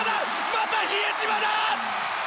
また比江島だ！